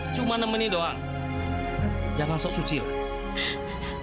cuma nemenin doang jangan masuk suci lah